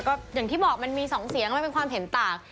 ก็อย่างที่บอกมันมี๒เสียงมันเป็นความเห็นต่าง